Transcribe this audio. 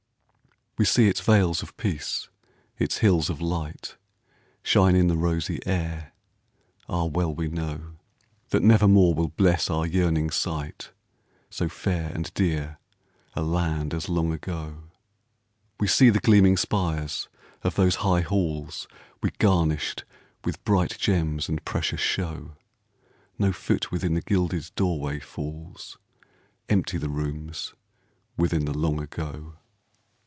We see its vales of peace, its hills of light Shine in the rosy air, ah! well we know That nevermore will bless our yearning sight, So fair and dear a land as Long Ago. We see the gleaming spires of those high halls We garnished with bright gems and precious show; No foot within the gilded doorway falls, Empty the rooms within the Long Ago.